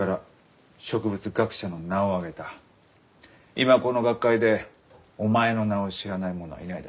今この学会でお前の名を知らない者はいないだろう。